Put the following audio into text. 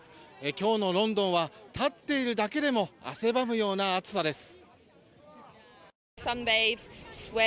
今日のロンドンは立っているだけでも汗ばむような暑さです。